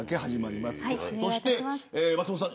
そして、松本さん。